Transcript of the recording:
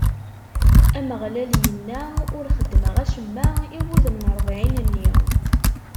Ameɣlal inna: Ur xeddmeɣ acemma i wudem n ṛebɛin-nni.